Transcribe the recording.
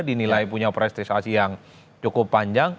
dinilai punya prestasi yang cukup panjang